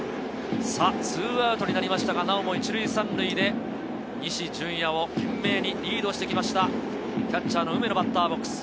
２アウトになりましたが、なおも１塁３塁で西純矢を懸命にリードしてきました、キャッチャーの梅野、バッターボックス。